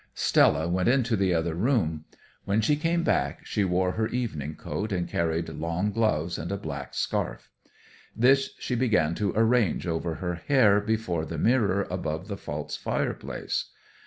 Stella went into the other room. When she came back she wore her evening coat and carried long gloves and a black scarf. This she began to arrange over her hair before the mirror above the false fireplace.